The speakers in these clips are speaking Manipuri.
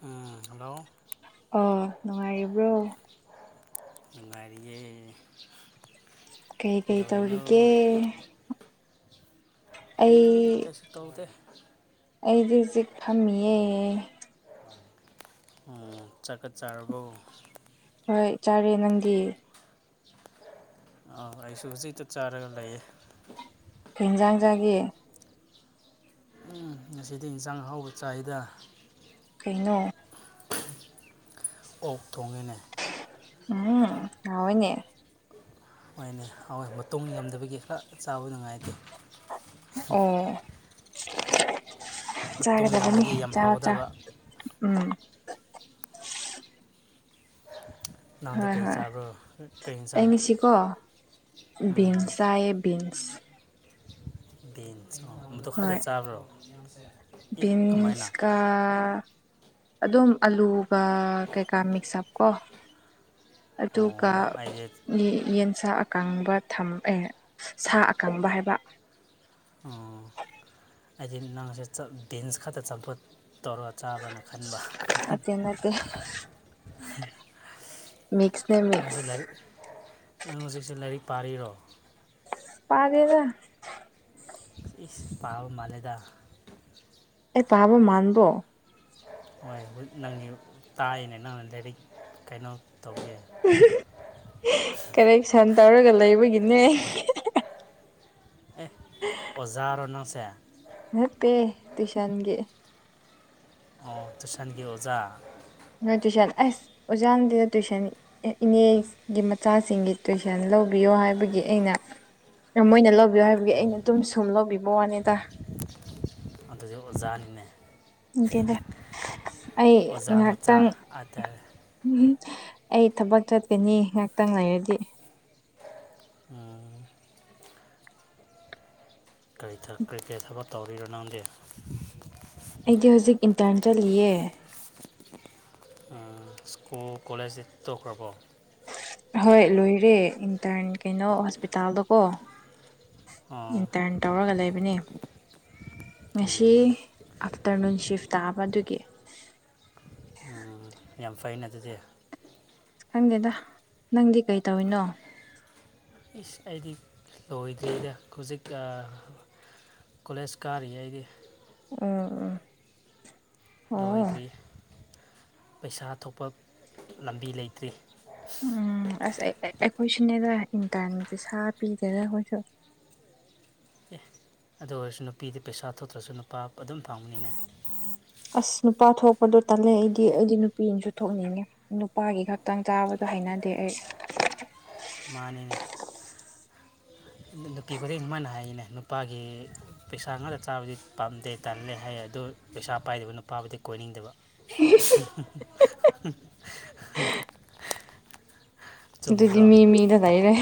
ꯎꯝ ꯍꯜꯂꯣ ꯑꯣ ꯅꯨꯡꯉꯥꯏꯔꯤꯕ꯭ꯔꯣ ꯅꯨꯡꯉꯥꯏꯔꯤꯌꯦ ꯀꯩ ꯀꯩ ꯇꯧꯔꯤꯒꯦ ꯀꯩꯗꯧꯔꯤꯅꯣ ꯎꯝ ꯑꯩ ꯀꯩꯁꯨ ꯇꯧꯗꯦ ꯑꯩꯗꯤ ꯍꯧꯖꯤꯛ ꯐꯝꯃꯤꯌꯦ ꯎꯝ ꯆꯥꯛꯀ ꯆꯥꯔꯕꯣ ꯍꯣꯏ ꯆꯥꯔꯦ ꯅꯪꯗꯤ ꯑꯥꯎ ꯑꯩꯁꯨ ꯍꯧꯖꯤꯛꯇ ꯆꯥꯔꯒ ꯂꯩꯌꯦ ꯀꯩ ꯏꯟꯖꯥꯡ ꯆꯥꯒꯦ ꯎꯝ ꯉꯁꯤꯗꯤ ꯏꯟꯁꯥꯡ ꯍꯥꯎꯕ ꯆꯥꯏꯗ ꯀꯩꯅꯣ ꯑꯣꯛ ꯊꯣꯡꯉꯦꯅꯦ ꯎꯝ ꯍꯥꯎꯋꯦꯅꯦ ꯍꯣꯏꯅꯦ ꯍꯥꯎꯋꯦꯅꯦ ꯃꯇꯨꯝ ꯌꯥꯝꯗꯕꯒꯤ ꯈꯔ ꯆꯥꯕꯗ ꯅꯨꯡꯉꯥꯏꯇꯦ ꯑꯣ ꯃꯇꯨꯡ ꯆꯥꯒꯗꯕꯅꯤ ꯌꯥꯝꯂꯗꯤ ꯌꯥꯝ ꯆꯥꯎ ꯆꯥꯎ ꯍꯥꯎꯒꯗꯕ ꯎꯝ ꯅꯪꯗꯤ ꯍꯣꯏ ꯀꯩ ꯍꯣꯏ ꯆꯥꯕ꯭ꯔꯣ ꯀꯩ ꯏꯟꯖꯥꯡ ꯕꯤꯟ ꯆꯥꯏꯌꯦ ꯕꯤꯟꯁ ꯕꯤꯟꯁ ꯑꯗꯨꯈꯛꯇꯥ ꯍꯣꯏ ꯆꯥꯕ꯭ꯔꯣ ꯏ ꯀꯃꯥꯏꯅ ꯕꯤꯟꯁꯀ ꯑꯗꯨꯝ ꯑꯂꯨꯒ ꯀꯩꯀꯥ ꯃꯤꯛꯁ ꯑꯞ ꯀꯣ ꯑꯗꯨꯒ ꯑꯣ ꯑꯩꯗꯤ ꯌꯦꯟꯁꯥꯛ ꯑꯀꯪꯕ ꯊꯝ ꯑꯦ ꯁꯥ ꯑꯀꯪꯕ ꯍꯥꯏꯕ ꯑꯣ ꯑꯩꯗꯤ ꯅꯪꯁꯦ ꯕꯤꯟꯁ ꯈꯛꯇ ꯆꯝꯐꯠ ꯇꯧꯔ ꯆꯥꯕ꯭ꯔꯅ ꯈꯟꯕ ꯅꯠꯇꯦ ꯅꯠꯇꯦ ꯃꯤꯛꯁꯅꯦꯦ ꯅꯪꯁꯦ ꯃꯤꯛꯁ ꯂꯥꯏꯔꯤꯛ ꯅꯪ ꯍꯧꯖꯤꯛꯁꯦ ꯂꯥꯏꯔꯤꯛ ꯄꯥꯔꯤꯔꯣ ꯄꯥꯔꯦꯗ ꯏꯁ ꯄꯥꯕ ꯃꯥꯂꯦꯗ ꯑꯦ ꯇꯥꯕ ꯃꯥꯟꯕ ꯍꯣꯏ ꯅꯪꯒꯤ ꯇꯥꯏꯅꯦ ꯅꯪꯅ ꯂꯥꯏꯔꯤꯛ ꯀꯩꯅꯣ ꯇꯧꯒꯦ ꯀꯔꯦꯛꯁꯟ ꯇꯧꯔꯒ ꯂꯩꯕꯒꯤꯅꯦ ꯑꯦ ꯎ ꯑꯣꯖꯥ ꯔꯅꯥ ꯁꯦ ꯃꯠꯇꯦ ꯇꯨꯁꯟꯦ ꯑꯣ ꯇꯨꯁꯥꯟꯒꯤ ꯑꯣꯖꯥ ꯅꯣꯏ ꯇꯨꯏꯁꯟ ꯑꯁ ꯑꯣꯖꯥꯗꯨꯗ ꯇꯨꯏꯁꯟꯅꯤ ꯏꯅꯦꯒꯤ ꯃꯆꯥꯁꯤꯡꯒꯤ ꯇꯨꯏꯁꯟ ꯂꯧꯕꯤꯌꯣ ꯍꯥꯏꯕꯒꯤ ꯑꯩꯅ ꯃꯣꯏꯅ ꯂꯧꯕꯤꯌꯣ ꯍꯥꯏꯕꯒꯤ ꯎꯝ ꯑꯩꯅ ꯇꯨꯝ ꯁꯨꯝ ꯂꯧꯕꯤꯕ ꯋꯥꯅꯦꯗ ꯑꯗꯨꯁꯨ ꯑꯣꯖꯥꯅꯤꯅꯦ ꯏꯦꯗ ꯑꯩ ꯑꯣꯖꯥ ꯃꯆꯥ ꯉꯍꯥꯛꯇꯪ ꯍꯥꯏꯇꯥꯔꯦ ꯎꯝ ꯑꯩ ꯊꯕꯛ ꯆꯠꯀꯅꯤ ꯉꯍꯥꯛꯇꯪ ꯂꯩꯔꯗꯤ ꯑ ꯀꯔꯤ ꯀ꯭ꯔꯤꯀꯦꯠ ꯍꯥꯏꯕ ꯇꯧꯔꯤꯔꯣ ꯅꯪꯗꯦ ꯑꯩꯗꯤ ꯍꯧꯖꯤꯛ ꯏꯟꯇꯔꯟ ꯆꯠꯂꯤꯌꯦ ꯁ꯭ꯀꯨꯜ ꯀꯣꯂꯦꯖꯇ ꯇꯣꯛꯈ꯭ꯔꯕꯣ ꯍꯣꯏ ꯂꯣꯏꯔꯦ ꯏꯟꯇꯔꯟ ꯀꯩꯅꯣ ꯍꯣꯁꯄꯤꯇꯥꯜꯗꯀꯣ ꯑꯣ ꯏꯟꯇꯔꯟ ꯇꯧꯔꯒ ꯂꯩꯕꯅꯤ ꯉꯁꯤ ꯑꯥꯞꯇꯔꯅꯨꯟ ꯁꯤꯐ ꯇꯥꯕ ꯑꯗꯨꯒꯤ ꯌꯥꯝ ꯐꯩꯩꯅ ꯑꯗꯨꯗꯤ ꯈꯪꯗꯦꯗ ꯅꯪꯗꯤ ꯀꯩ ꯇꯧꯔꯤꯅꯣ ꯏꯁ ꯑꯩꯗꯤ ꯂꯣꯏꯗ꯭ꯔꯤꯗ ꯍꯧꯖꯤꯛ ꯀꯣꯂꯦꯖ ꯀꯥꯔ ꯌꯥ ꯑꯩꯗꯤ ꯎꯝ ꯎ ꯂꯣꯏꯗ꯭ꯔꯤ ꯄꯩꯁꯥ ꯊꯣꯛꯄ ꯂꯝꯕꯤ ꯂꯩꯇ꯭ꯔꯤ ꯎꯝ ꯑꯁ ꯑꯩꯈꯣꯏ ꯁꯤꯅꯦꯗ ꯏꯟꯇꯔꯟ ꯄꯩꯁꯥ ꯄꯤꯗꯅ ꯑꯩꯈꯣꯏꯁꯨ ꯑꯦ ꯑꯗꯨ ꯑꯣꯏꯔꯁꯨ ꯅꯨꯄꯤꯗꯤ ꯄꯩꯁꯥ ꯊꯣꯛꯇ꯭ꯔꯁꯨ ꯅꯨꯄꯥ ꯑꯗꯨꯝ ꯐꯪꯕꯅꯤꯅꯦ ꯑꯁ ꯅꯨꯄꯥ ꯊꯣꯛꯄꯗꯣ ꯇꯜꯂꯦ ꯑꯩꯗꯤ ꯑꯩꯗꯤ ꯅꯨꯄꯤꯅꯁꯨ ꯊꯣꯛꯅꯤꯡꯉꯦ ꯅꯨꯄꯥꯒꯤ ꯈꯛꯇꯪ ꯆꯥꯕꯗꯣ ꯍꯥꯏꯅꯗꯦ ꯑꯩ ꯃꯥꯅꯤꯅꯦ ꯅꯨꯄꯤ ꯈꯨꯗꯤꯡ ꯑꯗꯨꯃꯥꯏꯅ ꯍꯥꯏꯌꯦꯅꯦ ꯅꯨꯄꯥꯒꯤ ꯄꯩꯁꯥ ꯉꯥꯛꯇ ꯆꯥꯕꯗꯤ ꯄꯥꯝꯗꯦ ꯇꯜꯂꯦ ꯍꯥꯏꯌꯦ ꯑꯗꯨ ꯄꯩꯁꯥ ꯄꯥꯏꯗꯕ ꯅꯨꯄꯥꯕꯨꯗꯤ ꯀꯣꯏꯅꯤꯡꯗꯕ ꯑꯗꯨꯗꯤ ꯆꯨꯝꯗ꯭ꯔꯣ ꯃꯤ ꯃꯤꯗ ꯂꯩꯔꯦ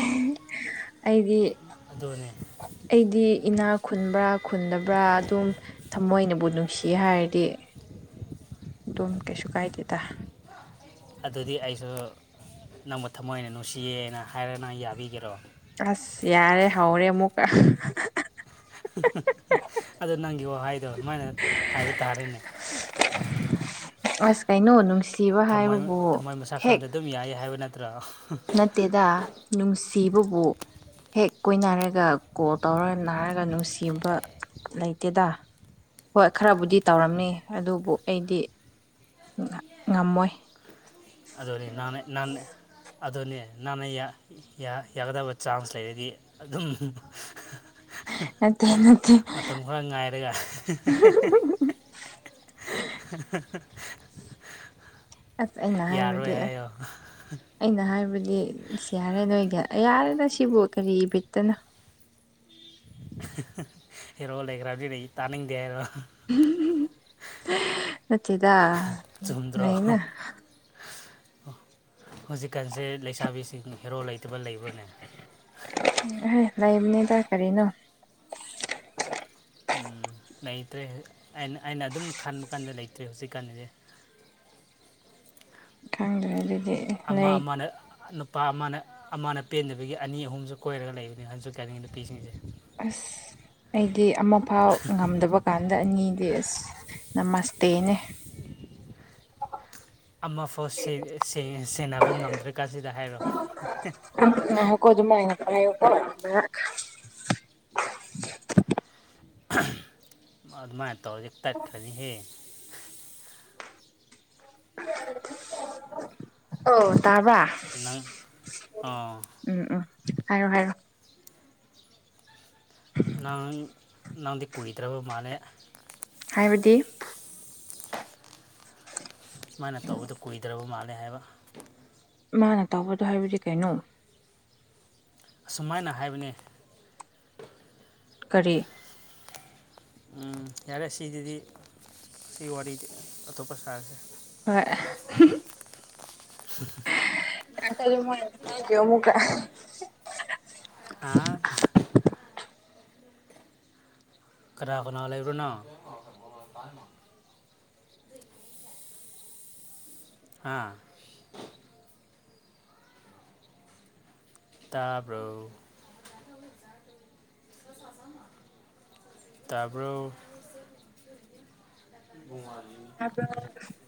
ꯑꯩꯗꯤ ꯑꯗꯨꯅꯦ ꯑꯩꯗꯤ ꯏꯅꯥꯛ ꯈꯨꯟꯕ꯭ꯔꯥ ꯈꯨꯟꯗꯕ꯭ꯔꯥ ꯑꯗꯨꯝ ꯊꯃꯣꯏꯅꯕꯨ ꯅꯨꯡꯁꯤ ꯍꯥꯏꯔꯗꯤ ꯑꯗꯨꯝ ꯀꯩꯁꯨ ꯀꯥꯏꯗꯦꯗ ꯑꯗꯨꯗꯤ ꯑꯩꯁꯨ ꯅꯪꯕꯨ ꯊꯃꯣꯏꯅ ꯅꯨꯡꯁꯤꯌꯦꯅ ꯍꯥꯏꯔ ꯅꯪ ꯌꯥꯕꯤꯒꯦꯔꯣ ꯑꯁ ꯌꯥꯔꯦ ꯍꯧꯔꯦ ꯑꯃꯨꯛꯀ ꯑꯗꯣ ꯅꯪꯒꯤ ꯋꯥꯍꯩꯗꯣ ꯑꯗꯨꯃꯥꯏꯅ ꯍꯥꯏꯕ ꯇꯥꯔꯦꯅꯦ ꯑꯁ ꯀꯩꯅꯣ ꯅꯨꯡꯁꯤꯕ ꯊꯝꯃꯣꯏ ꯍꯥꯏꯕꯕꯨ ꯊꯝꯃꯣꯏ ꯃꯁꯥ ꯍꯦꯛ ꯈꯪꯗ ꯑꯗꯨꯝ ꯌꯥꯏ ꯍꯥꯏꯕ ꯅꯠꯇ꯭ꯔꯥ ꯅꯠꯇꯦꯗ ꯅꯨꯡꯁꯤꯕꯕꯨ ꯍꯦꯛ ꯀꯣꯏꯅꯔꯒ ꯀꯣꯜ ꯇꯧꯔꯒ ꯅꯥꯔꯒ ꯅꯨꯡꯁꯤꯕ ꯂꯩꯇꯦꯗ ꯍꯣꯏ ꯈꯔꯕꯨꯗꯤ ꯇꯧꯔꯝꯅꯤ ꯑꯗꯨꯕꯨ ꯑꯩꯗꯤ ꯉꯝꯃꯣꯏ ꯑꯗꯨꯅꯦ ꯅꯪꯅꯦ ꯅꯪꯅꯦ ꯑꯗꯨꯅꯤ ꯅꯪꯅ ꯌꯥꯔ ꯌꯥ ꯌꯥꯒꯗꯕ ꯆꯥꯟꯁ ꯂꯩꯔꯗꯤ ꯑꯗꯨꯝ ꯅꯠꯇꯦ ꯅꯠꯇꯦ ꯃꯇꯝ ꯈꯔ ꯉꯥꯏꯔꯒ ꯑꯁ ꯑꯩꯅ ꯌꯥꯔꯣꯏ ꯍꯥꯏꯕꯗꯤ ꯍꯥꯏꯌꯣ ꯑꯩꯅ ꯍꯥꯏꯕꯗꯤ ꯏꯁ ꯌꯥꯔꯔꯣꯏꯒꯦ ꯌꯥꯔꯦꯗ ꯁꯤꯕꯨ ꯀꯔꯤ ꯕꯤꯠꯇꯅꯣ ꯍꯦꯔꯣ ꯂꯩꯈ꯭ꯔꯗꯤ ꯂꯩ ꯇꯥꯅꯤꯡꯗꯦ ꯍꯥꯏꯔꯣ ꯅꯠꯇꯦꯗꯥ ꯆꯨꯝꯗ꯭ꯔꯣ ꯂꯩꯅ ꯍꯧꯖꯤꯛꯀꯥꯟꯁꯦ ꯂꯩꯁꯥꯕꯤꯁꯤꯡ ꯍꯦꯔꯣ ꯂꯩꯇꯕ ꯂꯩꯕ꯭ꯔꯥꯅꯦ ꯂꯩꯕꯅꯤꯗ ꯀꯔꯤꯅꯣ ꯎꯝ ꯂꯩꯇ꯭ꯔꯦ ꯑꯩꯅ ꯑꯩꯅ ꯑꯗꯨꯝ ꯈꯟꯕ ꯀꯥꯟꯗ ꯂꯩꯇ꯭ꯔꯦ ꯍꯧꯖꯤꯛꯀꯥꯟꯗꯗꯤ ꯈꯪꯗ꯭ꯔꯦ ꯑꯗꯨꯗꯤ ꯑꯃ ꯂꯩ ꯑꯃꯅ ꯅꯨꯄꯥ ꯑꯃꯅ ꯑꯃꯅ ꯄꯦꯟꯗꯕꯒꯤ ꯑꯅꯤ ꯑꯍꯨꯝꯖꯨ ꯀꯣꯏꯔꯒ ꯂꯩꯕꯅꯤ ꯍꯧꯖꯤꯛ ꯀꯥꯟꯒꯤ ꯅꯨꯄꯤꯁꯤꯡꯁꯦ ꯑꯁ ꯑꯩꯒꯤ ꯑꯃꯐꯥꯎ ꯉꯝꯗꯕ ꯀꯥꯟꯗ ꯑꯅꯤꯗꯤ ꯑꯁ ꯅꯃꯁꯇꯦꯅꯦ ꯑꯃꯐꯥꯎ ꯁꯦꯟ ꯁꯦꯟ ꯁꯦꯟꯅꯕ ꯉꯝꯗ꯭ꯔꯀꯥꯟꯁꯤꯗ ꯍꯥꯏꯔꯣ [unintelligible] ꯑꯗꯨꯃꯥꯏꯅ ꯇꯧꯔꯗꯤ ꯇꯠꯈ꯭ꯔꯅꯤꯍꯦ ꯑꯣ ꯇꯥꯕꯔꯥ ꯅꯪ ꯑꯣ ꯎꯝ ꯎꯝ ꯍꯥꯏꯔꯣ ꯍꯥꯏꯔꯣ ꯅꯪ ꯅꯪꯗꯤ ꯀꯨꯏꯗ꯭ꯔꯕ ꯃꯥꯜꯂꯦ ꯍꯥꯏꯕꯗꯤ ꯁꯨꯃꯥꯏꯅ ꯇꯧꯕꯗ ꯀꯨꯏꯗ꯭ꯔꯕ ꯃꯥꯜꯂꯦ ꯍꯥꯏꯕ ꯃꯥꯅ ꯇꯧꯕꯗꯣ ꯍꯥꯏꯕꯗꯤ ꯀꯩꯅꯣ ꯑꯁꯨꯃꯥꯏꯅ ꯍꯥꯏꯕꯅꯤ ꯀꯔꯤ [inaudible] ꯎꯝ ꯌꯥꯔꯦ ꯁꯤꯗꯗꯤ ꯁꯤ ꯋꯥꯔꯤꯗꯤ ꯑꯇꯣꯞꯄ ꯁꯥꯔꯁꯦ ꯍꯣꯏ [unintelligible] ꯑꯃꯨꯛꯀ ꯑꯥ ꯀꯅꯥ ꯀꯅꯥ ꯂꯩꯕ꯭ꯔꯣꯅꯣ [unintelligible] ꯍꯥꯥ ꯇꯥꯕ꯭ꯔꯣ ꯇꯥꯕ꯭ꯔꫭ [unintelligible] [unintelligible]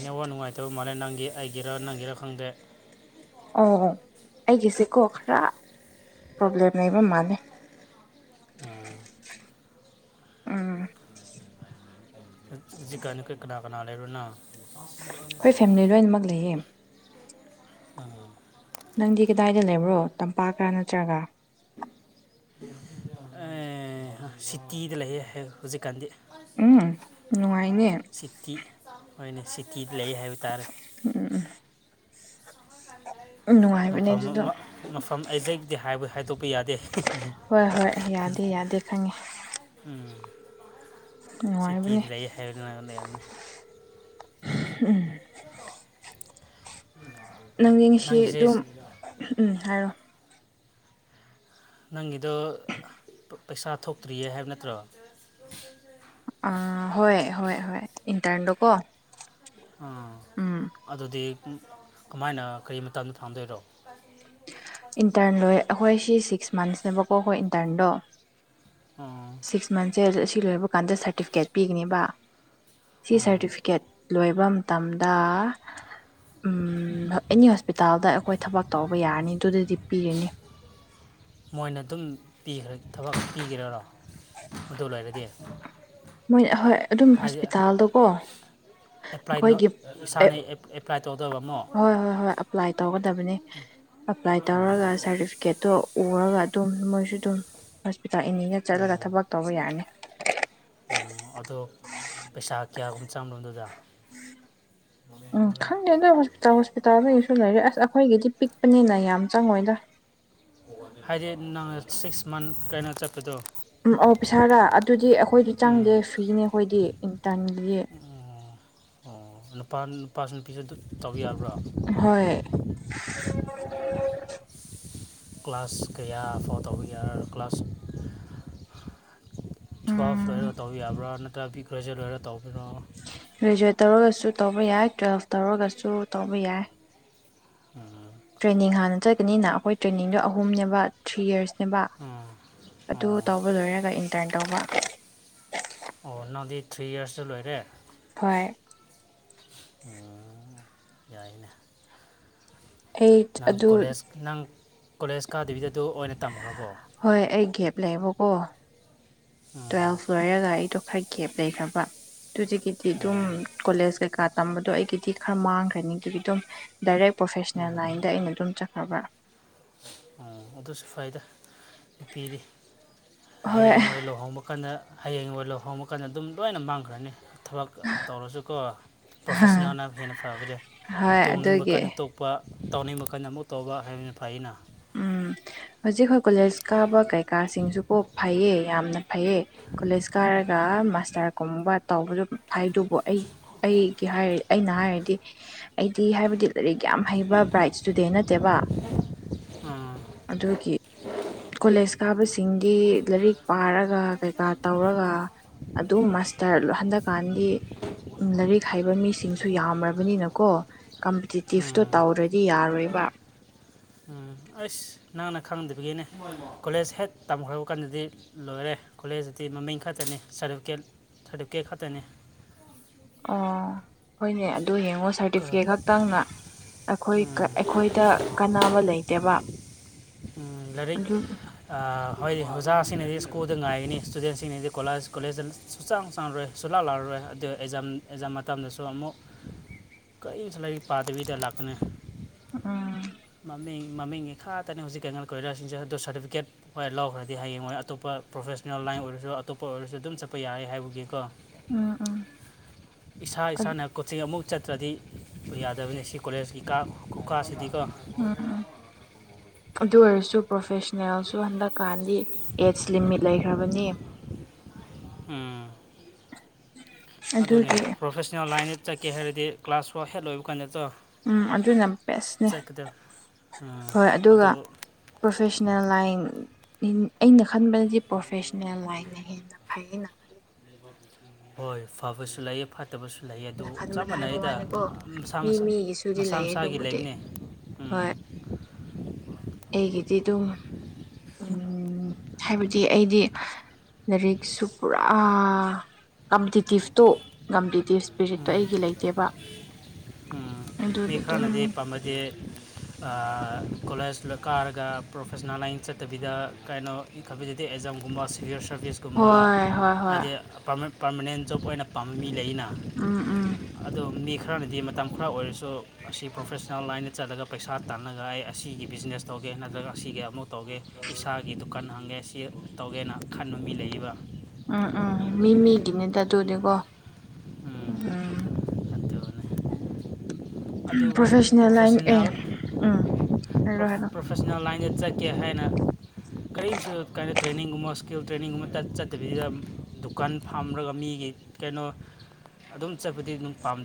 ꯅꯦꯠꯋꯥꯛ ꯅꯨꯡꯉꯥꯏꯇꯕ ꯃꯥꯜꯂꯦ ꯅꯪꯒꯤ ꯑꯩꯒꯤꯔ ꯅꯪꯒꯤꯔ ꯈꯪꯗꯦ ꯑꯣ ꯑꯩꯒꯤꯁꯦꯀꯣ ꯈꯔ ꯄ꯭ꯔꯣꯕ꯭ꯂꯦꯝ ꯂꯩꯕ ꯃꯥꯜꯂꯦ ꯎꯝ ꯍꯧꯖꯤꯛ ꯀꯥꯟ ꯅꯤꯈꯣꯏ ꯀꯅꯥ ꯀꯅꯥ ꯂꯩꯕꯅꯣ ꯑꯩꯈꯣꯏ ꯐꯦꯃꯤꯂꯤ ꯂꯣꯏꯅꯃꯛ ꯂꯩꯌꯦ ꯑ [unintelligible] ꯅꯪꯗꯤ ꯀꯗꯥꯏꯗ ꯂꯩꯕ꯭ꯔꯣ ꯇꯝꯄꯥꯛꯀ ꯅꯠꯇ꯭ꯔꯒ, ꯁꯤꯇꯤꯗ ꯂꯩꯌꯦ ꯍꯧꯖꯤꯛꯀꯥꯟꯗꯤ꯫ ꯎꯝ ꯅꯨꯡꯉꯥꯏꯅꯦ ꯁꯤꯇꯤ ꯍꫭꯏꯅꯦ ꯁꯤꯇꯤꯗ ꯂꯩ ꯍꯥꯏꯕ ꯇꯥꯔꯦ꯫ ꯎꯝ꯫ ꯎꯝ ꯅꯨꯡꯉꯥꯏꯕꯅꯦ ꯃꯐꯝ ꯑꯗꯨꯗꯣ ꯃꯐꯝ ꯑꯦꯖꯦꯛꯗꯤ ꯍꯥꯏꯕ ꯍꯥꯏꯗꯣꯛꯄ ꯌꯥꯗꯦ꯫ ꯍꯣꯏ ꯍꯣꯏ ꯌꯥꯗꯦ ꯌꯥꯗꯦ ꯈꯪꯉꯦ꯫ ꯎꯝ ꯁꯤꯇꯤ ꯅꯨꯡꯉꯥꯏꯕꯅꯦ ꯗ ꯂꯩ ꯍꯥꯏꯕꯅꯤꯅ ꯂꯩ ꯌꯥꯅꯤ꯫ [inaudible] ꯅꯪꯗꯤ ꯉꯁꯤ ꯅꯪꯁꯦ, ꯑꯗꯨꯝ ꯎꯝ ꯍꯥꯏꯔꫭ꯫ ꯅꯪꯒꯤꯗꯣ, ꯄꯩꯁꯥ ꯊꯣꯛꯇ꯭ꯔꯤꯌꯦ ꯍꯥꯏꯕ ꯅꯠꯇ꯭ꯔꯣ? ꯑꯥ ꯍꯣꯏ ꯍꯣꯏ ꯍꯣꯏ ꯏꯟꯇꯔꯟꯗꯣ ꯀꯣ꯫ ꯑꯥ ꯑꯗꯨꯗꯤ ꯀꯃꯥꯏꯅ ꯀꯔꯤ ꯃꯇꯝꯗ ꯐꯪꯗꯣꯏꯔꯣ? ꯏꯟꯇꯔꯟ ꯂꯣꯏ ꯑꯩꯈꯣꯏ ꯁꯤ ꯁꯤꯛꯁ ꯃꯟꯁꯅꯦꯕꯀꯣ ꯑꯩꯈꯣꯏ ꯏꯟꯇꯔꯟꯗꯣ꯫ [unintelligible] ꯁꯤꯛꯁ ꯃꯟꯁꯦ ꯑꯁꯤ ꯂꯣꯏꯕ ꯀꯥꯟꯗ ꯁꯥꯔꯇꯤꯐꯤꯀꯦꯠ ꯄꯤꯒꯅꯦꯕ ꯁꯤ ꯎꯝ ꯁꯥꯔꯇꯤꯐꯤꯀꯦꯠ, ꯂꯣꯏꯕ ꯃꯇꯝꯗ ꯑꯦꯅꯤ ꯍꯣꯁꯄꯤꯇꯥꯜꯗ ꯑꯩꯈꯣꯏ ꯊꯕꯛ ꯇꯧꯕ ꯌꯥꯔꯅꯤ ꯑꯗꯨꯗꯗꯤ ꯄꯤꯔꯤꯅꯤ꯫ ꯃꯣꯏꯅ ꯑꯗꯨꯝ ꯄꯤꯈ꯭ꯔꯦ, ꯊꯕꯛ ꯄꯤꯒꯔꯔꯣ ꯑꯗꯨ ꯂꫭꯏꯔꯗꯤ? ꯃꯣꯏ ꯑꯍꯣꯏ ꯑꯗꯨꯝ ꯍꯣꯁꯄꯤꯇꯥꯜꯗꯣ ꯀꯣ ꯑꯦꯄ꯭ꯂꯥꯏ ꯑꯩꯈꯣꯏꯒꯤ, ꯑꯦ ꯏꯁꯥꯅ ꯑꯦꯄ꯭ꯂꯥꯏ ꯇꯧꯗꯕ ꯑꯃꯣ? ꯍꯣꯏ ꯍꯣꯏ ꯍꯣꯏ ꯑꯦꯄ꯭ꯂꯥꯏ ꯇꯧꯒꯗꯕꯅꯤ꯫ ꯑꯦꯄ꯭ꯂꯥꯏ ꯇꯧꯔꯒ ꯁꯥꯔꯇꯤꯐꯤꯀꯦꯠꯇꯣ ꯎꯔꯒ ꯑꯗꯨꯝ ꯃꯣꯏꯁꯨ ꯑꯗꯨꯝ꯫ ꯍꯣꯁꯄꯤꯇꯥꯜ ꯏꯅꯤꯗ ꯆꯠꯂꯒ ꯎꯝ ꯊꯕꯛ ꯇꯧꯕ ꯌꯥꯔꯅꯤ꯫ ꯎꯝ ꯑꯗꯣ, ꯄꯩꯁꯥ ꯀꯌꯥꯒꯨꯝ ꯆꯪꯕꯅꫭ ꯗꯨꯗ? ꯎꯝ ꯈꯪꯗꯦꯗ ꯍꯣꯁꯄꯤꯇꯥꯜ ꯍꯣꯁꯄꯤꯇꯥꯜꯗꯁꯨ ꯂꯩꯔꯦ ꯑꯁ ꯑꯩꯈꯣꯏꯒꯤꯗꯤ ꯄꯤꯛꯄꯅꯤꯅ ꯌꯥꯝ ꯆꯪꯉꯣꯏꯗ꯫ ꯍꯥꯏꯗꯤ ꯅꯪ ꯁꯤꯛꯁ ꯃꯟꯠ ꯀꯩꯅ ꯆꯠꯄꯗꫭ꯫ ꯎꯝ ꯑꯣ ꯄꯩꯁꯥꯔꯥ ꯑꯗꯨꯗꯤ ꯑꯩꯈꯣꯏꯗꯤ ꯎꯝ ꯆꯪꯗꯦ ꯐ꯭ꯔꯤꯅꯦ ꯑꯩꯈꯣꯏꯗꯤ ꯏꯟꯇꯔꯟꯗꯤ꯫ ꯑꯣ ꯑꯣ ꯅꯨꯄꯥ ꯅꯨꯄꯥꯁꯨ ꯅꯨꯄꯤꯁꯨ ꯑꯗꯨ ꯇꯧꯕ ꯌꯥꯕ꯭ꯔꯣ? ꯍꯣꯏ꯫ [inaudible] ꯀ꯭ꯂꯥꯁ ꯀꯌꯥ ꯐꯥꯎ ꯇꯧꯕ ꯌꯥ ꯀ꯭ꯂꯥꯁ, ꯇ꯭ꯌꯦꯜꯐ ꯎꯝ ꯂꯣꯏꯔꯒ ꯇꯧꯕ ꯌꯥꯕ꯭ꯔꯥ, ꯅꯠꯇ꯭ꯔꯒ ꯒ꯭ꯔꯦꯖꯨꯋꯦꯠ ꯂꯣꯏꯔꯒ ꯇꯧꯕꯤꯔꯣ꯫ ꯒ꯭ꯔꯦꯖꯨꯋꯦꯠ ꯇꯧꯔꯒꯁꯨ ꯇꯧꯕ ꯌꯥꯏ ꯇꯨꯋꯦꯜꯐ ꯇꯧꯔꯒꯁꯨ ꯇꯧꯕ ꯌꯥꯏ꯫ ꯑꯥ ꯇ꯭ꯔꯦꯅꯤꯡ ꯍꯥꯟꯅ ꯆꯠꯀꯅꯤꯅ ꯑꯩꯈꯣꯏ ꯇ꯭ꯔꯦꯅꯤꯡꯗꯣ ꯑꯍꯨꯝꯅꯦꯕ ꯊ꯭ꯔꯤ ꯌꯔꯁ꯫ ꯁꯦꯝꯕꯥ ꯎꯝ ꯑꯗꯨ ꯑꯣ ꯇꯧꯕ ꯂꯣꯏꯔꯒ ꯏꯟꯇꯔꯟ ꯇꯧꯕ꯫ ꯑꯣ ꯅꯪꯗꯤ ꯊ꯭ꯔꯤ ꯌꯔꯁꯇ ꯂꯣꯏꯔꯦ? ꯍꯣꯏ꯫ ꯎꯝ ꯌꯥꯏꯅꯦ ꯑꯩ ꯅꯪ ꯑꯗꯨ ꯀꯣꯂꯦꯖ ꯅꯪ ꯀꯣꯂꯦꯖ ꯀꯥꯗꯕꯤꯗ ꯑꯣꯏꯅ ꯇꯝꯈ꯭ꯔꯕꯣ? ꯍꯣꯏ ꯑꯩ ꯒꯦꯞ ꯂꯩꯕꯀꯣ ꯎꯝ ꯇꯨꯋꯦꯜꯐ ꯂꯣꯏꯔꯒ ꯑꯩꯗꯣ, ꯈꯔ ꯀꯦꯞ ꯂꯩꯈ꯭ꯔꯕ ꯑꯗꯨꯗꯒꯤꯗꯤ ꯑꯗꯨꯝ, ꯎꯝ ꯀꯣꯂꯦꯖ ꯀꯩꯀꯥ ꯇꯝꯕꯗꯣ ꯑꯩꯒꯤꯗꯤ ꯈꯔ ꯃꯥꯡꯈ꯭ꯔꯅꯤ ꯑꯗꯨꯒꯤ ꯑꯗꯨꯝ꯫ ꯗꯥꯏꯔꯦꯛ ꯄ꯭ꯔꯣꯐꯦꯁꯅꯦꯜ ꯎꯝ ꯂꯥꯏꯟꯗ ꯑꯩꯅ ꯑꯗꯨꯝ ꯆꯠꯈ꯭ꯔꯕ꯭ꯔꯥ꯫ ꯑꯣ ꯑꯗꯨꯁꯨ ꯐꯩꯗ, ꯅꯨꯄꯤꯗꯤ ꯍꯣꯏ ꯍꯌꯦꯡꯋꯥ ꯂꯨꯍꯣꯡꯕ ꯀꯥꯟꯗ꯫ ꯍꯌꯦꯡ ꯋꯥꯏ ꯂꯨꯍꯣꯡꯕ ꯀꯥꯟꯗ ꯑꯗꯨꯝ ꯂꯣꯏꯅ ꯃꯥꯡꯈ꯭ꯔꯅꯤ ꯊꯕꯛ꯫ ꯇꯧꯔꯁꯨꯀꯣ ꯄ꯭ꯔꯣꯐꯦꯁꯅꯦꯜꯅ ꯍꯦꯟꯅ ꯐꯕꯗ ꯍꯣꯏ ꯇꯣꯡꯅꯤꯡꯕ ꯑꯗꯨꯒꯤ ꯀꯟꯅꯗ ꯇꯥꯎꯅꯤꯡꯕ ꯀꯟꯅ ꯑꯃꯨꯛ ꯇꯧꯕ ꯍꯥꯏꯕꯅ ꯐꯩꯅ꯫ ꯎꯝ, ꯍꯧꯖꯤꯛ ꯑꯩꯈꯣꯏ ꯀꯣꯂꯦꯖ ꯀꯥꯕ ꯀꯩꯀꯥꯁꯤꯡꯁꯨ ꯀꯣ ꯐꯩꯌꯦ ꯌꯥꯝꯅ꯫ ꯐꯩꯌꯦ ꯀꯣꯂꯦꯖ ꯀꯥꯏꯔꯒ ꯃꯥꯁꯇꯔꯒꯨꯝꯕ ꯇꯧꯕꯗ ꯍꯥꯏꯗꯨꯕꯨ ꯑꯩ ꯑꯩꯒꯤ ꯍꯥꯏꯔ ꯑꯩꯅ ꯍꯥꯏꯔꯗꯤ ꯑꯩꯗꯤ ꯍꯥꯏꯕꯗꯤ ꯑꯔꯤꯛ ꯌꯥꯝ ꯍꯩꯕ ꯕ꯭ꯔꯥꯏꯠ ꯁ꯭ꯇꯨꯗꯦꯟ ꯅꯠꯇꯦꯕ ꯑꯥ ꯑꯗꯨꯒꯤ ꯀꯣꯂꯦꯖ ꯀꯥꯕꯁꯤꯡꯒꯤ ꯂꯥꯏꯔꯤꯛ ꯄꯥꯔꯒ ꯀꯩꯀꯥ ꯇꯧꯔꯒ ꯑꯗꯨ ꯃꯥꯁꯇꯔ ꯍꯟꯗꯛꯀꯥꯟꯒꯤ ꯂꯥꯏꯔꯤꯛ ꯍꯥꯏꯕ ꯃꯤꯁꯤꯡ ꯁꯨ ꯌꯥꯝꯕꯅꯤꯅꯀꯣ ꯀꯝꯄꯤꯇꯤꯇꯤꯞꯇꯣ ꯇꯧꯔꯗꯤ ꯌꯥꯔꯣꯏꯕ ꯎ ꯑꯩꯁ ꯅꯪꯅ ꯈꯪꯗꯕꯒꯤꯅꯦ ꯀꯣꯂꯦꯖ ꯍꯦꯛ ꯇꯝꯈꯕ ꯀꯥꯟꯗꯗꯤ ꯂꯣꯏꯔꯦ ꯀꯣꯂꯦꯖꯇꯗꯤ ꯃꯃꯤꯡ ꯈꯛꯇꯅꯤꯔꯇꯐꯤꯀꯦꯠ ꯁꯥꯔꯇꯤꯐꯤꯀꯦꯠ ꯈꯛꯇꯅꯤ ꯑꯣ ꯍꯣꯏꯅꯦ ꯑꯗꯨ ꯌꯦꯡꯉꯣ ꯀ- ꯁꯥꯔꯇꯤꯐꯤꯀꯦꯠ ꯈꯛꯇꯪꯅ ꯑꯩꯈꯣꯏ ꯎꯝ, ꯑꯩꯈꯣꯏꯗ ꯀꯅꯥ ꯑꯃ ꯂꯩꯇꯦꯕ ꯂꯔꯤꯛ ꯑꯗꯨ ꯍꯣꯏꯗꯤ ꯑꯣꯖꯥꯁꯤꯡꯅꯗꯤ ꯁ꯭ꯀꯨꯜꯗ ꯉꯥꯏꯒꯅꯤ ꯏꯁꯇꯨꯗꯦꯟꯁꯤꯡꯅꯗꯤ ꯀꯣꯂꯦꯖ ꯀꯣꯂꯦꯖꯇ ꯁꯨꯆꯥꯡ ꯆꯥꯡꯔꯣꯏ ꯁꯨꯂꯥꯛ ꯂꯔꯔꯣꯏ ꯑꯗꯨ ꯑꯦꯛꯖꯥꯝ ꯑꯦꯛꯖꯥꯝ ꯃꯇꯝꯗꯁꯨ ꯑꯃꯨꯛ ꯀꯔꯤ ꯃꯁꯂꯒꯤ ꯄꯥꯗꯕꯤꯗ ꯂꯥꯛꯅ ꯎꯝ ꯃꯃꯤꯡ ꯃꯃꯤꯡꯒꯤ ꯈꯥ ꯇꯅꯤ ꯍꯧꯖꯤꯛ ꯀꯩꯉꯜ ꯀꯣꯏꯔꯥꯁꯤꯡꯁꯦ ꯑꯗꯨꯣ ꯁꯥꯔꯇꯤꯐꯤꯀꯦꯠ ꯍꯣꯏ ꯂꯧꯈ꯭ꯔꯗꯤ ꯍꯌꯦꯡꯉꯣꯏ ꯑꯇꯣꯞꯄ ꯄ꯭ꯔꯣꯐꯦꯁꯅꯦꯜ ꯂꯥꯏꯟ ꯑꯣꯏꯔꯁꯨ ꯑꯇꯣꯞꯄ ꯑꯣꯏꯔꯁꯨ ꯑꯗꯨꯝ ꯆꯠꯄ ꯌꯥꯔꯦ ꯍꯥꯏꯕꯒꯤꯀꯣ ꯎꯝ ꯎꯝ ꯏꯁꯥ ꯎꯝ ꯏꯁꯥꯅ ꯀꯣꯆꯤꯡ ꯑꯃꯨꯛ ꯆꯠꯇ꯭ꯔꯗꯤ ꯌꯥꯗꯕꯅꯤ ꯁꯤ ꯀꯣꯂꯦꯖꯀꯤ ꯀ ꯀꯀꯥꯁꯤꯗꯤꯀꯣ ꯎꯝ ꯑꯗꯨ ꯑꯣꯏꯔꯁꯨ ꯄ꯭ꯔꯣꯐꯦꯁꯟꯅꯜꯁꯨ ꯍꯟꯗꯛꯀꯥꯟꯗꯤ ꯑꯦꯠꯁ ꯂꯤꯃꯤꯠ ꯂꯩꯈ꯭ꯔꯕꯅꯤ ꯎ ꯑꯗꯨꯅꯦ ꯑꯗꯨꯒꯤ ꯄ꯭ꯔꯣꯐꯦꯁꯅꯦꯜ ꯂꯥꯏꯟ ꯆꯠꯀꯦ ꯍꯥꯏꯔꯗꯤ ꯀ꯭ꯂꯥꯁ ꯋꯥ ꯍꯦꯠ ꯂꯣꯏꯕ ꯀꯥꯟꯗ ꯅꯠꯇ꯭ꯔꯣ ꯎꯝ ꯑꯗꯨꯅ ꯕꯦꯁꯅꯦ ꯎꯝ ꯍꯣꯏ ꯑꯗꯨꯒ ꯑꯗꯨ ꯄ꯭ꯔꯣꯐꯦꯁꯅꯦꯜ ꯂꯥꯏꯟ ꯑꯩꯅ ꯈꯟꯕꯅꯗꯤ ꯄ꯭ꯔꯣꯐꯦꯁꯟꯅꯜ ꯂꯥꯏꯅ ꯍꯦꯟꯅ ꯐꯩꯅ ꯍꯣꯏ ꯐꯥꯕꯁꯨ ꯂꯏ ꯐ ꯐꯠꯇꯕꯁꯨ ꯂꯩ ꯑꯗꯨ ꯑꯩꯅ ꯆꯞ ꯈꯟꯕꯗ ꯍꯥꯏꯕ ꯃꯥꯟꯅꯩꯗ ꯋꯥꯅꯤꯀꯣ ꯃꯁꯥ ꯃꯤ ꯃꯁꯥ ꯃꯤꯒꯤꯁꯨꯗꯤ ꯃꯁꯥ ꯂꯩꯌꯦ ꯃꯁꯥꯒꯤ ꯑꯗꯨꯕꯨꯗꯤ ꯂꯩꯕꯅꯦ ꯍꯣꯏ ꯎꯝ ꯑꯩꯒꯤꯗꯤ ꯑꯗꯨꯝ ꯍꯥꯏꯕꯗꯤ ꯑꯩꯗꯤ ꯂꯥꯏꯔꯤꯛꯁꯨ ꯄꯨꯔꯥ ꯀꯝꯄꯤꯇꯤꯇꯤꯞꯇꯣ ꯀꯝꯄꯤꯇꯤꯞ ꯏꯁꯄꯤꯔꯤꯠꯇꯣ ꯑꯩꯒꯤ ꯂꯩꯇꯦꯕ ꯎꯝ, ꯃꯤ ꯑꯗꯨꯒꯤ ꯑꯗꯨꯝ ꯈꯔꯅꯗꯤ ꯄꯥꯝꯝꯕꯗꯤ ꯀꯣꯂꯦꯖ ꯀꯥꯔꯒ ꯄ꯭ꯔꯣꯐꯦꯁꯅꯦꯜ ꯂꯥꯏꯟ ꯆꯠꯇꯕꯤꯗ ꯀꯩꯅꯣ ꯀꯝꯄꯤꯇꯇꯤ ꯑꯦꯛꯖꯥꯝꯒꯨꯝꯕ ꯁꯤꯚꯤꯜ ꯁꯥꯔꯚꯤꯁꯀꯨꯝꯕ ꯍꯣꯏ ꯍꯣꯏ ꯍꯣꯏ ꯍꯥꯏꯗꯤ ꯄꯔꯃꯦꯟ ꯄꯥꯔꯃꯅꯦꯟ ꯖꯣꯕ ꯑꯣꯏꯅ ꯄꯥꯝꯕ ꯃꯤ ꯂꯩꯅ ꯎꯝ ꯎꯝ ꯑꯗꯣ ꯃꯤ ꯈꯔꯅꯗꯤ ꯃꯇꯝ ꯈꯔ ꯑꯣꯏꯔꯁꯨ [unintelligible] ꯑꯁꯤ ꯄ꯭ꯔꯣꯐꯦꯁꯅꯦꯜ ꯂꯥꯏꯟꯗ ꯆꯠꯂꯒ ꯄꯩꯁꯥ ꯇꯥꯟꯂꯒ ꯑꯩ ꯑꯁꯤꯒꯤ ꯕꯤꯖꯤꯅꯦꯁ ꯇꯧꯒꯦ ꯅꯠꯇ꯭ꯔꯒ ꯑꯁꯤꯒꯤ ꯑꯃꯨꯛ ꯇꯧꯒꯦ ꯏꯁꯥꯒꯤ ꯗꯨꯀꯥꯟ ꯍꯥꯡꯒꯦ ꯁꯤ ꯇꯧꯒꯦꯅ ꯈꯟꯕ ꯃꯤ ꯂꯩꯕ ꯎꯝ ꯎꯝ ꯃꯤ ꯃꯤꯒꯤꯅꯤꯗ ꯑꯗꯨꯗꯤꯀꯣ ꯎꯝ ꯎꯝ ꯑꯗꯨꯅꯤ ꯑꯗꯨꯕꯨ ꯄ꯭ꯔꯣꯐꯦꯁꯅꯦꯜ ꯂꯥꯏꯟ ꯑꯦ ꯄ꯭ꯔꯣꯐꯦꯁꯟꯅꯦꯜ ꯎꯝ ꯍꯥꯏꯔꯣ ꯄ꯭ꯔꯣꯞ ꯍꯥꯏꯔꯣ ꯄ꯭ꯔꯣꯞ ꯄꯔꯁꯣꯅꯦꯜ ꯂꯥꯏꯟꯗ ꯆꯠꯀꯦ ꯍꯥꯏꯅ ꯀꯔꯤꯁꯨ ꯀꯥꯏꯅꯣ ꯇ꯭ꯔꯦꯅꯤꯡꯒꯨꯝꯕ ꯁ꯭ꯀꯤꯜ ꯇ꯭ꯔꯦꯅꯤꯡꯒꯨꯝꯕ ꯆꯠ ꯆꯠꯇꯕꯤꯗ ꯗꯨꯀꯥꯟ ꯐꯝꯔꯒ ꯃꯤꯒꯤ ꯀꯩꯅꯣ ꯑꯗꯨꯝ ꯆꯠꯄꯗꯤ ꯑꯗꯨꯝ ꯄꯥꯝꯅꯩ